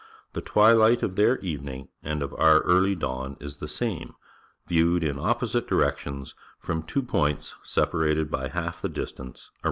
The twilight of their evening and of our early dawn is the same, viewed in opposite directions from two points separated by half the distance around the world.